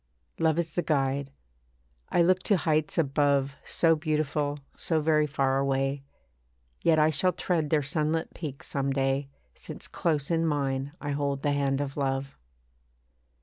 Love is the guide. I look to heights above So beautiful, so very far away; Yet I shall tread their sunlit peaks some day, Since close in mine I hold the hand of love.